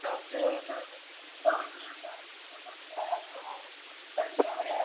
wa Sirte muda mfupi baada ya vikosi vya Serikali ya Mpito kutangaza kuudhibiti mji